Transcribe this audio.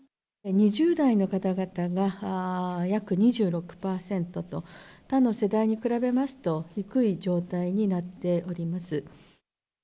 ２０代の方々が約２６％と、他の世代に比べますと低い状態になっております。